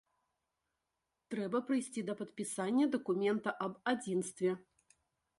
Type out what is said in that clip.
Трэба прыйсці да падпісання дакумента аб адзінстве.